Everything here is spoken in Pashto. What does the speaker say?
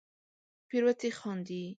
پیروتې خاندې